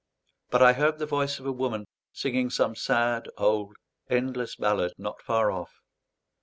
But I heard the voice of a woman singing some sad, old, endless ballad not far off.